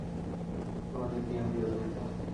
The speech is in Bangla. তোমাদের নিয়ে আমি গর্বিত।